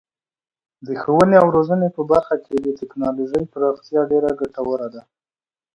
د ښوونې او روزنې په برخه کې د تکنالوژۍ پراختیا ډیره ګټوره ده.